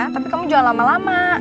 tapi kamu jual lama lama